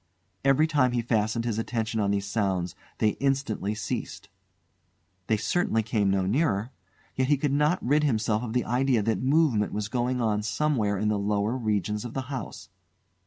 Every time he fastened his attention on these sounds, they instantly ceased. They certainly came no nearer. Yet he could not rid himself of the idea that movement was going on somewhere in the lower regions of the house.